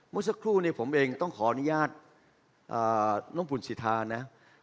เมื่อสักครู่เนี่ยผมเองต้องขออนุญาตน้องปุ่นสิทธานะ